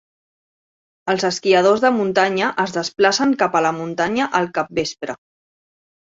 Els esquiadors de muntanya es desplacen cap a la muntanya al capvespre.